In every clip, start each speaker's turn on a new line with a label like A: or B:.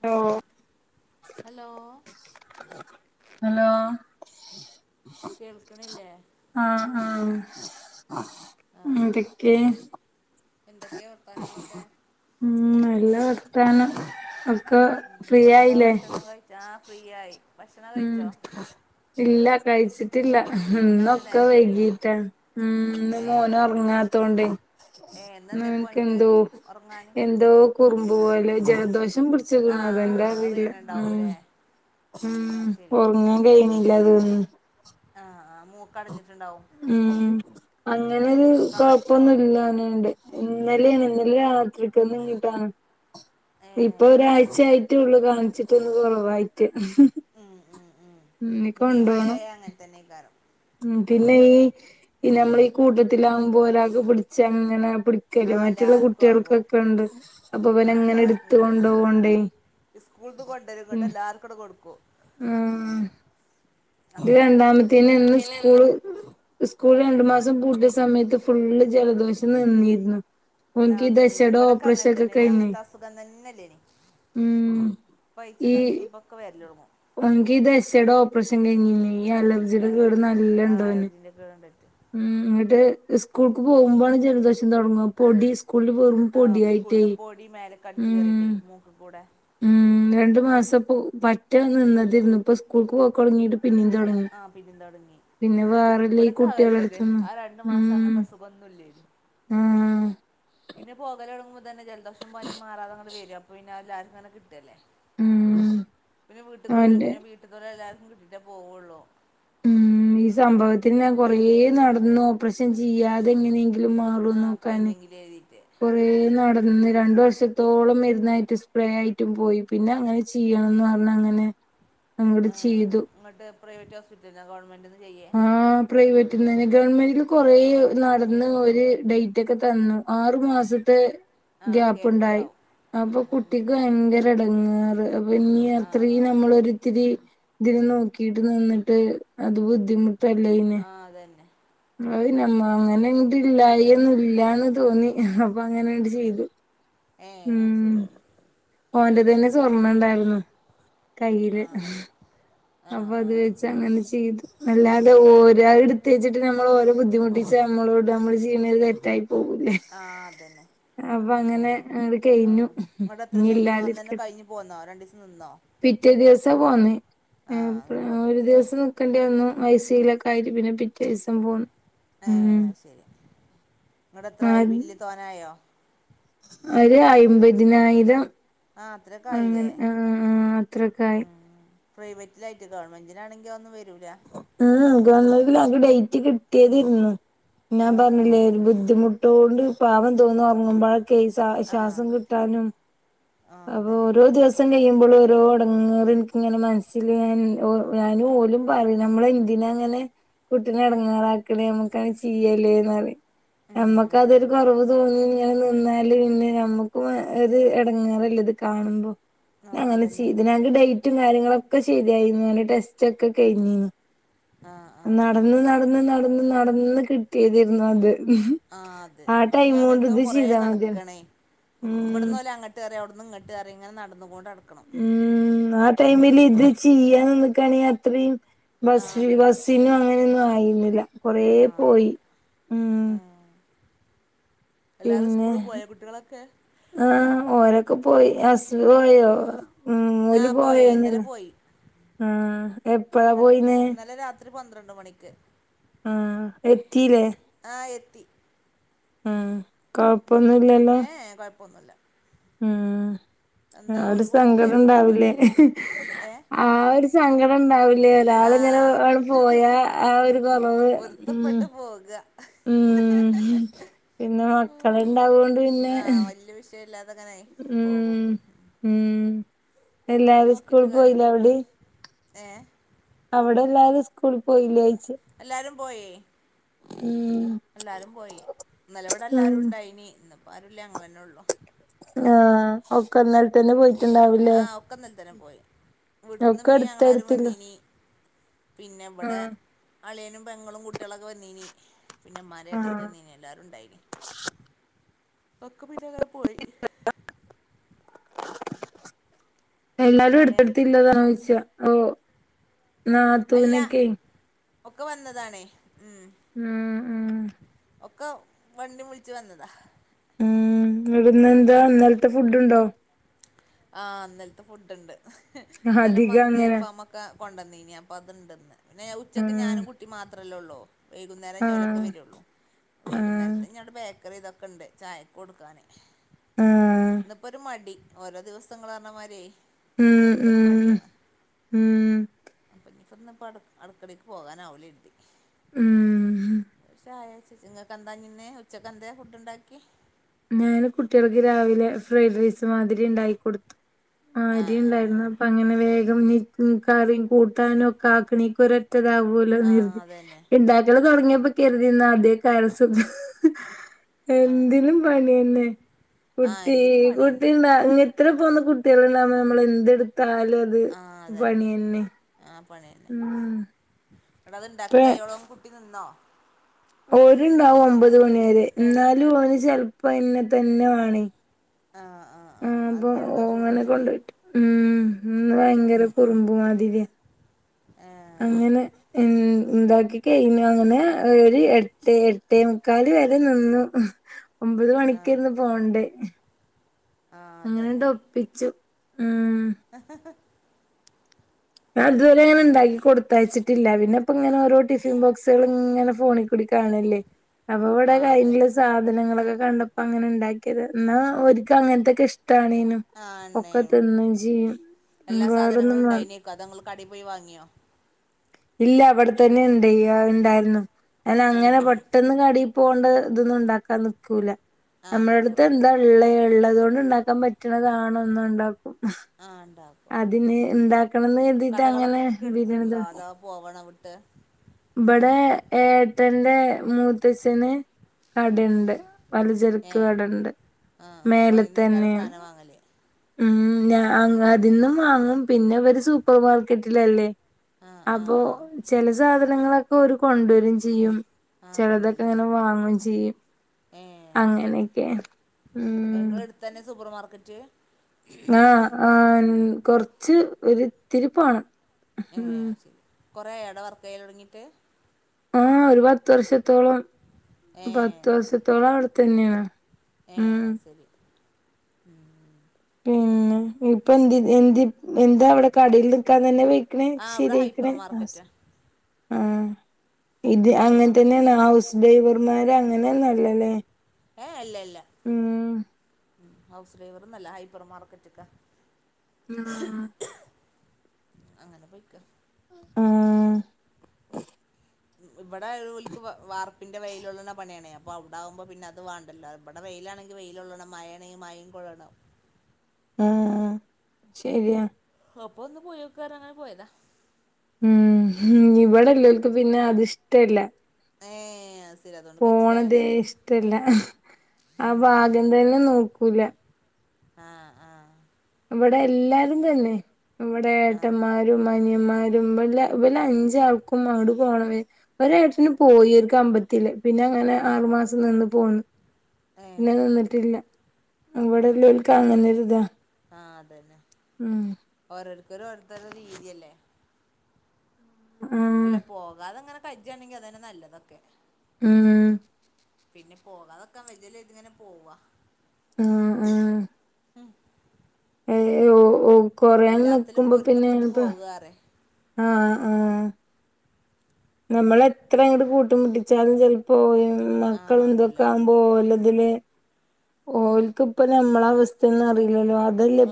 A: Hello hello
B: [unintelligible] hello
A: കേൾക്കണില്ലേ
B: ആഹ ആഹ
A: ആഹ്
B: ന്തൊക്കെ
A: എന്തൊക്കെയാ വർത്താനങ്ങളൊക്കെ
B: ഉം നല്ല വർത്താനം ഒക്ക ഫ്രീ ആയില്ലേ
A: ക്ഷണം കഴിച്ചാ ആഹ് ഫ്രീയായി
B: ഉം ഇല്ല കഴിച്ചി പറ്റില്ല
A: ഇന്നെന്താ
B: ഇന്നൊക്കെ
A: നേരം വൈകിയോ
B: വൈകീട്ട ഉം ഉന്ന്
A: ഏഹ്
B: മോന്
A: അത് ശരി
B: ഒറങ്ങാത്തോണ്ടെയ്
A: ഏഹ് ഇന്നെന്തേപ്പോ അനക്ക് ഉറങ്ങാന്
B: ഇന്നോൻക്കെന്തോ കുറുമ്പ് പോലെ ജലദോഷം പിടി
A: ആഹ്
B: [unintelligible]
A: അത്
B: വീഡിയോ
A: വരുന്നുണ്ടാവൂല്ലേ
B: ഉം
A: അത് ശരി
B: ഉറങ്ങാൻ കഴിണില്ല തോന്നണു
A: ആഹ് ആഹ് മൂ കടഞ്ഞിട്ടുണ്ടാവും
B: ഉം അങ്ങനെരു
A: കാണിച്ചോ
B: കൊഴപ്പൊന്നുല്ല ന്ന്‌ണ്ട് ഇന്നലെയാണ് ഇന്നലെ രാത്രിക്കന്ന് ഇങ്ങട്ടാണ് ഇപ്പൊ
A: ഏഹ്
B: ഒരാഴ്ചയായിട്ടേള്ളു കാണിച്ചിട്ടൊന്ന് കുറവായിട്ട്
A: ഉം ഉം ഉം ഇനിപ്പോ ഈ മായായ അങ്ങനെ തന്നെയ്ക്കാരം
B: ഉം പിന്നെ ഈ നമ്മളെ ഈ കൂട്ടത്തിലാകുമ്പോ ഒരാക്ക് പിടിച്ച അങ്ങനെ പിടി [unintelligible]
A: ആഹ്
B: മറ്റുള്ള
A: എല്ലാർക്കും ആകും
B: കുട്ടികൾക്കൊക്കെ ഉണ്ട് അപ്പൊ ഇവനെ
A: ആഹ്
B: എങ്ങനെ
A: എല്ലാർക്കും
B: എടുത്ത്
A: കിട്ടും
B: കൊണ്ടോവോണ്ടേയ്
A: സ്കൂൾന്ന് കൊണ്ടുവരും എന്നിട്ട് എല്ലാർക്കും അങ്ങട് കൊടുക്കും
B: ഊം ഇന്റെ
A: അതന്നെ
B: രണ്ടാമത്തേന് ഇന്ന് സ്കൂള് സ്കൂൾ രണ്ടു മാസം പൂട്ടിയ സമയത്ത് ഫുള്ള് ജലദോഷം നിന്നിരുന്നു ഓൻക്ക് ഈ
A: ആന്നീനു
B: ദശേടെ
A: ഇവിടൊക്കെ
B: ഓപ്പറേഷൻ
A: അങ്ങനെ
B: ഒക്കെ
A: തന്നെ
B: കയിഞ്ഞ്
A: അങ്ങനത്തെ അസുഖം തന്നെയല്ലേനി
B: ഉം ഈ
A: ക്കെ വരലൊടങ്ങും
B: ഓൻക്ക് ഈ ദശയുടെ ഓപ്പറേഷൻ കഴിഞ്ഞിനിം ഈ
A: ആ
B: അലർജിയുടെ കേട് നല്ല
A: ആ
B: ഉണ്ടോന്
A: [unintelligible]
B: ഉം എന്നിട്ട് സ്കൂൾക്ക് പോകുമ്പോണ് ജലദോഷം തുടങ്ങും പൊടി കൂള് പോ
A: ആ സ്കൂൾത്തെ പൊടി മേലെക്ക് അടിച്ചു കേറിയിട്ടേ മൂക്ക് കൂടെ
B: ഉം രണ്ടു മാസപ്പൊ പറ്റെ നിന്നതയിരുന്നു ഇപ്പൊ സ്കൂൾക്ക് പോക്ക് തുടങ്ങിട്ട് പിന്നീ തുടങ്ങി
A: ആ പിന്നേം തുടങ്ങി
B: പിന്നെ വേറെല്ല ഈ
A: ഇവിടൊക്കെ അങ്ങനത്തെന്നെ
B: കുട്ടികളെടുത്ത്ന്ന്
A: ആ രണ്ടു മാസം
B: ഉം
A: അങ്ങനത്തെ സുഖോന്നും ഇല്ലേയിരുന്നു
B: ആഹ്
A: പിന്നെ പോകല് തൊടങ്ങുമ്പോ തന്നെ ജലദോഷം പനും മാറാതെ ഇങ്ങട് വരും അപ്പൊ പിന്നെ എല്ലാർക്കും ഇങ്ങനെ കിട്ടല്ലേ
B: ഉം
A: പിന്നെ വീട്ടിൽ കൊണ്ട
B: അവന്റെ
A: പിന്നെ വീട്ട് തോൽക്ക് എല്ലാർക്കും കിട്ടിട്ടേ പോവള്ളു
B: ഉം ഈ സംഭവത്തിന് ഞാൻ കൊറേ നടന്നു ഓപ്പറേഷൻ ചെയ്യാതെ ഇങ്ങനെയ് ല് മാറോ
A: ആ
B: നോക്കാന്
A: കഴിഞ്ഞെങ്കിൽ എഴുതിയിട്ട്
B: കുറേ നടന്ന് രണ്ട് വർഷത്തോളം മരുന്നായിട്ടും സ്പ്രേ ആയിട്ടും പോയി പിന്നെ അങ്ങനെ ചെയ്യണന്ന് പറഞ് അങ്ങനെ അങ്ങട് ചെയ്തു
A: ന്നിട്ട് പ്രൈവറ്റ് ഹോസ്പിറ്റലിലോ ഗവൺമെന്റ്ന്ന് ചെയ്യേ
B: പ്രൈവറ്റന്ന്ന്നെ ഗവൺമെന്റിൽ കുറേ നടന്ന് ഒരു ഡൈറ്റ് ഒക്കെ തന്നു ആറു മാസത്തെ
A: ആ
B: ഗ്യാപ്പ് ഉണ്ടായി
A: കേപ്പുണ്ടാവും
B: അപ്പൊ
A: ഉം
B: കു
A: ഉം
B: ട്ടിക്ക്
A: ഉം
B: ഭയങ്കര എടങ്ങാറ് അപ്പഞ്ഞി
A: ആ ആ
B: അത്രയും
A: ആ
B: നമ്മളൊരിത്തിരി ഇതിനെ നോക്കിട്ട് നിന്നിട്ട് അത് ബുദ്ധിമുട്ടല്ലയ്ന്
A: ആ അതന്നെ
B: [unintelligible] അങ്ങനണ്ട് ഇല്ലായി ഒന്നും ഇല്ലന്ന് തോന്നി അപ്പ അങ്ങനണ്ട് ചെയ്തു
A: ഏ
B: ഉം
A: അത് ശരി
B: ഓന്റെ തന്നെ സ്വർണണ്ടായിരുന്നു
A: ആ
B: കയ്യില്
A: ആ
B: അപ്പൊ
A: ആ
B: അത് വെച്ച് അങ്ങനെ ചെയ്തു അല്ലാതെ
A: ഏ
B: ഓരാൾത് പ്രത്യേകി്ചിട്ട് നമ്മൾ ഓരോ ബുദ്ധിമുട്ടിച്ച് നമ്മളോട് നമ്മള് ചെയ്യ്ണത് തെറ്റായി പോകൂല്ലേ
A: ആ അതന്നെ ആ
B: അങ്ങട്
A: ആ
B: കഴിഞ്ഞു
A: ങ്ങട്ട്
B: ഇനി
A: എത്രിസം നിന്നു അന്നന്നെ
B: ഇല്ലാതിരിക്കട്ടെ
A: കഴിഞ് പോന്നോ രണ്ടീസം നിന്നോ
B: പിറ്റേ ദിവസാ പോന്നേ
A: ആ അന്ന്
B: ഒരു
A: പോന്നത്
B: ദിവസം നക്കണ്ടി വന്നു ഐസി ലൊക്കെ ആയിറ്റ് പിന്നെ പിറ്റേ ദിവസം പോന്നു
A: ഏ
B: ഉം
A: അത് ശരി ങ്ങണ്ട്
B: ആ
A: എത്രായി ബില്ല് തോനെ ആയോ
B: ഒരു അയിമ്പതിനായിരം
A: ആ അത്രയൊക്കെ ആയില്ലേ
B: അങ്ങനെ ആ അത്രൊക്ക ആയി.
A: ഉം പ്രൈവറ്റിലായിട്ട് കാണം ഗവൺമെൻറിനാണെങ്കി അതൊന്നും വരൂല്ല
B: ഉം ഗവൺമെന്റി എനക്ക് ഡേറ്റ് കിട്ടിയതിരുന്നു
A: ആ
B: ഞാൻ
A: ആ
B: പറഞ്ഞില്ലേ
A: ആ
B: ഒരു ബുദ്ധിമുട്ട് ട്ടോണ്ട് പാവം തോന്നുറങ്ങുമ്പോഴക് ഈ സാ
A: ആ
B: ശ്വാസം കിട്ടാനും
A: ആ
B: അപ്പോ
A: അതന്നെ
B: ഓരോ ദിവസ ദിവസം കഴിയുമ്പോൾ ഓരോ ടങ്ങേറ് ൻക്കിങ്ങനെ മനസ്സിൽ ഞാൻ ഞാനും ഓലും പറയും നമ്മളെന്തിനാ ങ്ങനെ കുട്ടിനെ ടങ്ങാറാക്കണേ നമ്മുക്കങ്ങനെ ചെയ്യല്ലേന്ന് റിം
A: ഉം
B: നമ്മക്ക്
A: ഉം
B: അതൊരു
A: ഉം
B: കുറവ് തോന്നി ങ്ങനെ നിന്നാല് പിന്നെ നമ്മക്ക് ക്കും ഒര് എടങ്ങേറല്ലേ ത് കാണുമ്പോ
A: ആ
B: അങ്ങനെ
A: അതന്നെ
B: ചെയ്ത് ഞങ്ങക്ക് ഡൈ റ്റും കാര്യങ്ങളൊക്കെ ചെയ്തായിരുന്നു ടെസ്റ്റ് ഒക്കെ കഴിഞീന്
A: ആഹ് ആഹ് ആഹ്
B: നടന്ന് നടന്ന് നടന്ന് നടന്ന് കിട്ടിയതിരുന്നു അത്
A: ആ അതെ
B: ആ
A: അ
B: ടൈം കൊണ്ട്
A: അങ്ങനത്തെ
B: ഇത്
A: കൊറ
B: ചെയ്താ മതിയാണ്
A: നടക്കണേ
B: ഉം
A: ഇവിടന്ന് ഓലെ അങ്ങട്ട് അങ്ങട്ടറി അവിടുന്ന്ങ്ങട്ട് റി ഇങ്ങനെ നടന്നു കൊണ്ട് അടക്കണം
B: ഉം ആ ടൈമിൽ ഇത് ചെയ്യൻ നിക്കാണ് അത്രയും
A: ആഹ്
B: ബസ്
A: അതന്നെ
B: ബസ്സിനും അങ്ങനെയൊന്നും ആയിന്നില്ല കൊറ
A: ആഹ്
B: പോയി
A: കൊല്ലം
B: ഉം
A: ആഹ് എല്ലാരും
B: പിന്നെ
A: സ്കൂള് പോയോ കുട്ടികളൊക്കെ
B: ആ ഓരൊക്കെ പോയി അസറ് പോയോ ഓല്
A: ആഹ് പോയി ഇന്നലെ
B: പോയരുന്നില്ലേ
A: പോയി
B: ആ എപ്പഴാ പോയിന്നേ
A: ത്രി പന്ത്രണ്ട് മണിക്ക്
B: ആ എത്തീല്ലേ
A: ആ എത്തി
B: ആ കൊഴപ്പൊന്നുംല്ലല്ലോ
A: ഏ കുഴപ്പൊന്നുല്ല
B: ഉം ആ ഒരു
A: ഓല് പോയിട്ടില്ലേ
B: സങ്കടം
A: പണിക്ക്
B: ണ്ടാവില്ലേ
A: പോയിട്ടില്ലേ ഏഹ്
B: ആ ഒരു സങ്കടം ഉണ്ടാവില്ല ഇല്ലേ ഒരാള് ഇങ്ങനെണ്ട്
A: ആഹ്
B: പോയാ ആ ഒരു കുറവ് ഉം
A: പൊരുത്തപ്പെട്ട് പോക
B: ഉം പിന്നെ മക്കള് ഇണ്ടാവോണ്ട് പിന്നെ
A: പിന്നെ പോകും
B: ഉം ഉം
A: അത്
B: എല്ലാരും സ്കൂള്
A: നോക്കിട്ട്
B: പോയ്ലെ
A: കാര്യല്ല
B: അവ്ടിം
A: ഏ
B: അവിടെ എല്ലാരും സ്കൂളി പോയില്ലേ [unintelligible]
A: എല്ലാരും പോയേ
B: ഉം
A: എല്ലാരും പോയി ഇന്നലവിടെ
B: ഉം
A: എല്ലാരും ഇണ്ടായിനി ഇന്നിപ്പ ആരുല്ലേ അങ്ങളന്നെ ഉള്ളു
B: ആ ഒക്കെന്നലത്തന്നെ പോയിട്ടുണ്ടാവില്ലേ
A: ആ ഒക്കെ ഇന്നലെ തന്നെ പോയി
B: ആ
A: വീട്ടിന്ന് ഇമ്മീം ഞങ്ങളാരും
B: ഒക്കട്ത്തട്ത്തില്ലേ
A: വന്നീനി പിന്നെ ഇവിടെ അളിയനും പെങ്ങളും കുട്ടികളൊക്കെ വന്നീനി പിന്നെ മ്മാന്റെ
B: ആ
A: ഏട്ടത്തി വന്നീന് എല്ലാരുണ്ടായിനി ഒക്ക പിന്നെല്ലാരും പോയി
B: എല്ലാരും
A: എങ്ങനെ
B: എടുത്തെടുത്തില്ല താമസിച്ചാ
A: അല്ല
B: നാത്തൂനൊക്കെ
A: ഒക്കെ വന്നതാണേ ഉം
B: ഉം ഉം
A: ഒക്കെ വണ്ടീം വിളിച്ചു വന്നതാ
B: ഉം ഇവിട്ന്ന് എന്താ ഇന്നൽത്തെ ഫുഡ്ണ്ടോ
A: ആഹ് ഇന്നൽത്തെ ഫുഡുണ്ട് ഇന്നലെ
B: അധികം
A: മന്തി
B: അങ്ങനെ
A: അൽഫാമൊക് ക്ക കൊണ്ടന്നേനി അപ്പൊ അത്ണ്ടന്ന് പിന്നെ ഉച്ചക്ക്
B: ഉം
A: ഞാനും കുട്ടീം മാത്രല്ലേ ഉള്ളൂ വൈകുന്നേരം ഇഞ്ഞോലൊക്കെ
B: ആഹ്
A: വരുള്ളൂ
B: ആഹ്
A: വൈകുന്നേരത്ത് ഞങ്ങളുടെ ബേക്കറി ഇതൊക് ക്കൊണ്ട് ചായക്ക് കൊടുക്കാനേ
B: ആഹ്
A: ഇന്നപ്പോ ഒരു മടി ഓരോ ദിവസങ്ങള് പറഞ്ഞമാര്യേ
B: ഉം
A: ചെലപ്പൊരു
B: ഉം
A: മടിയാണ്
B: ഉം
A: ഇന്ന് ഇപ്പോ അട അടക്കടക്ക് പോകാനാവില്ല എനിക്ക്
B: ഉം
A: പക്ഷേ ആയ [unintelligible] കന്താൻമുന്നെ ഉച്ചക്കെന്താ ഫുഡ് ഉണ്ടാക്കി
B: ഞാന് കുട്ടികൾക്ക് രാവിലെ ഫ്രൈഡ് റൈസ് മാതിരി ഇണ്ടായി കൊടുത്തു
A: ആഹ്
B: [unintelligible]
A: ആഹ്
B: ഉണ്ടായിരുന്നു അങ്ങനെ വേഗം നി നി കറിം കൂ ട്ടാനുമൊക്കെ ആക്കണേ എനിക്കൊരൊറ്റ ഇതാകൂലോ
A: ആഹ്
B: എന്ന്
A: ആഹ്
B: വിചാരിച്ച്
A: അതന്നെ
B: ഇണ്ടാ ക്കാൻ തൊടങ്ങിയപ്പോകരുതിന്ന ആദ്യക്കാരസുഖം
A: ആഹ്
B: എന്തിന് പണി തന്നെ
A: ആഹ്
B: കുട്ടീ
A: എന്തിനും പണി തന്നെ
B: കുട്ടീണ്ടാവന്നെ ഇത്ര പോന്ന കുട്ടികളുണ്ടാകുമ്പോ നമ്മൾ എന്തെടുത്താലും അത്
A: ആഹ് അതന്നെ
B: പണി തന്നെ
A: ആഹ് പണി തന്നെ ഇവിടത്
B: ഇപ്പ
A: ഇണ്ടാക്കി കയോളോം കുട്ടി നിന്നോ
B: ഓര്ണ്ടാവും ഒമ്പത് മണിവരെ
A: അതെ ഉം
B: എന്നാലും ഓന് ചെലപ്പോ എന്നെ തന്നെ വേണേ
A: ആഹ് ആഹ്
B: ആഹ്
A: അത്
B: അതു
A: ജലദോഷം
B: ഓങ്ങനെ
A: പിടിച്ചിട്ടേ
B: കൊണ്ടോയിട്ട് ഉം ഇന്ന് ഭയങ്കര കുറുമ്പ് മാതിരി
A: ആഹ്
B: അങ്ങനെ ഉം ഉണ്ടാക്കി കഴിഞ്ഞു അങ്ങനെ ഒരു എട്ട് എട്ടേ മുക്കാലുവരെ നിന്നു ഒമ്പത് മണിക്കാ
A: ആഹ്
B: ഇന്ന് പോണ്ടേ
A: ആഹ്
B: അങ്ങനെണ്ട്
A: അതന്നെ
B: ഒപ്പിച്ചു ഉം ഞാൻ അതുവരെ അങ്ങനെ
A: ഏഹ്
B: ഉണ്ടാക്കി കൊടുത്തയച്ചിട്ടില്ല പിന്നെ ഇപ്പ ഇങ്ങനെ ഓരോ ടിഫിൻ ബോക്സുകളിങ്ങനെ ഫോണിക്കൂടി കാണൂല്ലേ അപ്പ ഇവിടെ
A: ആഹ്
B: കഴിഞ്ഞ
A: അതന്നെ
B: ദിവസ സാധനങ്ങളൊക്കെ കണ്ടപ്പോ അങ്ങനെ ഉണ്ടാക്കിയത് എന്നാ ഓരിക്കും അങ്ങനത്തൊക്കെ ഇഷ്ടാണേനും
A: ആഹ്
B: ഒക്കെ
A: ഉണ്ടായിനു
B: തിന്നേം ചെയ്യും വേറൊന്നും വേണ്
A: ക്കതെങ്ങള് കടേ പോയി വാങ്ങിയോ
B: ഇല്ല ഇവിടെത്തന്നെ ഇണ്ട് ഇണ്ടായിരുന്നു ഞാൻ അങ്ങനെ
A: ഏഹ്
B: പെട്ടെന്ന് കടേ പോണ്ട ഇതൊന്നും ഉണ്ടാക്കാൻ നിക്കൂല
A: ആഹ്
B: നമ്മടെടുത്ത്
A: നിക്കൂല
B: എന്താ ള്ളേ ഉള്ളത് കൊണ്ട് ഉണ്ടാക്കാൻ പറ്റണതാണൊന്നുണ്ടാക്കും
A: ആഹ് ഉണ്ടാവും
B: അതിന് ഉണ്ടാക്കണംന്ന് കരുതിട്ട്
A: കടകളൊക്കെ
B: അങ്ങനെ
A: ഇങ്ങക്ക്
B: ബിരിയാണി
A: എടുത്തുണ്ടോ അതാ പോവണോ വിട്ട്
B: ഇബടെ ഏട്ടൻ്റെ മൂത്തഛന് കടണ്ട് പലചെരക്ക്
A: ഏഹ്
B: കടണ്ട്
A: ആഹ് അപ്പം അയ്ന്നേക്കാരം സാധനം വാങ്ങല്
B: ഉം ഞ അതിന്നും വാങ്ങും പിന്നെ അവര് സൂപ്പർ മാർക്കറ്റിലല്ലേ
A: ആഹ് ആഹ്
B: അപ്പൊ
A: ആഹ്
B: ചെല സാധനങ്ങളൊക്കെ ഓര് കൊണ്ടുവരേം ചെയ്യും
A: ആഹ് കൊണ്ടുവരും
B: ചെലതൊക്കെങ്ങനെ
A: ചെയ്യും
B: വാങ്ങും ചെയ്യും. അങ്ങനെക്കെണ് ഉം.
A: എ ങ്ങളട്ത്തന്നെ സൂപ്പർ മാർക്കറ്റ്.
B: ആഹ് ആഹ് ൻ കൊർച്ച് ഒരുത്തിരി പോണം.
A: ഏഹ്
B: ഉം
A: അഹ് ശരി കൊറേയൊ അടെ വർക്കയ്യലൊട്ങ്ങിട്ട്.
B: ആഹ് ഒരുപാട്. ത്ത് വർഷത്തോളം
A: ഏ
B: പത്ത് വർഷത്തോളം അവിടെത്തന്നെയാ
A: ഏ
B: ഉം.
A: അത് ശരി ഉം.
B: പിന്നെ ഇപ്പന്തി എന്തി എന്താ അവിടെ കടീല് നിക്കാൻ തന്നെ വെ ക്ക്ണെ
A: ആ ഇവിടെ ഹൈപ്പർ
B: ശിര്യയ്ക്ക്ണെ നാസ്
A: മാർക്കറ്റാ
B: ആഹ് ഇത്
A: ഹൈപ്പർ മാർക്കറ്റ്
B: അങ്ങൻതന്നെണ് ഹൗസ്. ഡ്രൈവർമാര് അങ്ങനെന്നു അല്ല ലേ.
A: ഏ അല്ല ല്ല ഹൗസ് ഡ്രൈവറൊന്നല്ല ഹൈപ്പർ മാർക്കറ്റ്ക്ക.
B: ഉം.
A: അങ്ങന പൊയ്ക്ക.
B: ആഹ്.
A: ഇവടെ വൽക്ക് വ വാർപ്പിന്റെ വെയിലൊള്ള്ണ പണ്യാണേ അപ്പൊ അവ്ടാവുമ്പോ പിന്നെ അത് വാണ്ടല്ലോ അ വടെ വെയിലാണെങ്കി വെയിലൊള്ളണം മയേണെങ്കി മയിം കൊള്ളണം.
B: ആഹ് ശരിയാ.
A: അപ്പൊ ഒന്ന് പോയോക്കാർഞ്ഞ് അങ്ങനെ പോയതാ.
B: ഉം ഹും ഇവിടെല്ലോൽക്ക് പിന്നെ അതിഷ്ടെല്ല.
A: ഏഹ് അഹ് സ്
B: പോണതെ ഇഷ്ടല്ല ആ
A: ഏ
B: ഭാഗം തന്നെ നോക്കൂല.
A: ആഹ് ആഹ്.
B: ഇവടെ എല്ലാരും തന്നെ ഇവടെ
A: ആ
B: ഏട്ടന്മാർ. രും അനിയന്മാരും ഇവല ഇവലഞ്ചാൾക്കും അങ്ങട്ട് പോണത്. ഒരേട്ടന് പോയി ഒര് ക്കമ്പത്തില് പിന്നങ്ങനെ
A: ആ
B: ആറു മാസം
A: കമ്പത്ത്
B: നിന്ന് പോന്ന്.
A: ഏഹ്
B: പിന്നെ
A: അത് ശരി
B: നിന്നിട്ടില്ല
A: ആഹ്
B: ഇവടെല്ലോൽക് അങ്ങനെര് താ.
A: ആഹ് അതന്നെ.
B: ഉം.
A: ഓരോര്ത്തെര് ഓരോത്തരെ രീത്യല്ലെ.
B: ആഹ്.
A: അല്ല പോകാതങ്ങനെ കജ്ജാണെങ്കി അതെന്നെ നല്ലതൊക്കെ.
B: ഉം.
A: പിന്നെ പോകാതക്കാൻ വജ്ജല്ലോര്തിങ്ങനെ പോവ.
B: ആഹ് ആഹ്. ഏ ഓ ഓ കൊറയാൻ നിക്കുമ്പ പിന്നെ ത്പ്പ.
A: പറി.
B: ആഹ് ആഹ്.
A: അതാണ്
B: നമ്മളെത്രങ്ങട്ട് കൂട്ടി മുട്ടിച്ചാലും ചെൽപ്പോ
A: ആഹ്
B: മക്കളും
A: ആകൂല
B: തൊക്കെ ആകുമ് മ്പോ ഓലതില് ഓൽക്ക്പ്പ നമ്മള അവസ് തെന്നറിലല്ലോ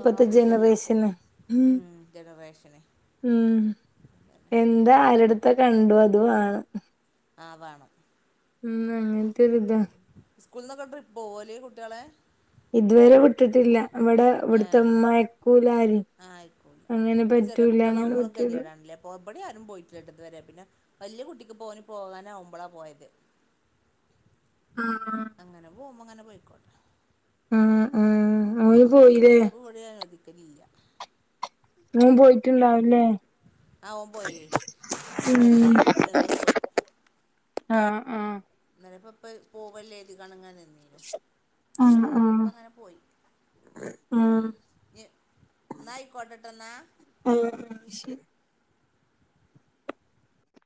A: ആഹ് അറിയില്ലല്ലോ
B: ജനറേഷന്.
A: ഉം ജനറേഷന്
B: ഉം എന്താ ആരെട്ത്ത കണ്ടു അതുവാണം.
A: ആഹ് വാണം.
B: ഉം ന്നും എൻക്കൊരുതാ.
A: സ്കൂള് നിന്നൊക്കെ ട്രിപ്പ് പോവല് കുട്ട്യളെ
B: ഇതുവരെ വിട്ടിട്ടില്ല ഇവിടെ ഇവിടുത്തെ
A: ഏഹ്
B: ഉമ്മാ അയക്കൂലാരേം
A: ആഹ് ആയക്കൂല ഈ ചെറിയ കുട്ടികളാവുമ്പോളും
B: പറ്റൂല
A: ഗതികേടാണ് ല്ലേ പോ ഇവിടേം ആരും പോയിട്ടില്ല ഇതു വരെ പിന്നെ വല്യ കുട്ടിക്ക് ഇപ്പ ഓന് പോകാനാവുമ്പളാ പോയത്
B: ആഹ്
A: അങ്ങനെ പോവുമ്പോ അങ്ങനെ പോയ്ക്കോട്ടെ
B: ആഹ് ആഹ് ഓന്
A: സ്കൂൾ
B: പോയില്ലേ
A: ട്രിപ്പ് ഇവിടേം അനുവദിക്കലില്ല
B: മോൻ പോയിട്ടുണ്ടാവും ല്ലേ
A: ആഹ് ഓൻ പോയി ഓൻ ഇന്നലെ
B: ഉം
A: ലീവ് എടുത്തിന് ഇന്ന് പോയി
B: ആഹ് ആഹ്
A: ഇന്നെലെ പ്പ ഇപ്പ പോവല്ലേന്ന് [unintelligible] അങ്ങനെ നിന്ന്
B: ആഹ്
A: ഇന്ന്പ്പൊ
B: ആഹ്
A: അങ്ങനെ പോയി.
B: ആഹ്
A: ഞ്ഞ് എന്നാ ആയിക്കോട്ടേട്ടെ എന്നാ
B: ആഹ് ആഹ് ശരി